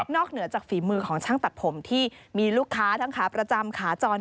เหนือจากฝีมือของช่างตัดผมที่มีลูกค้าทั้งขาประจำขาจร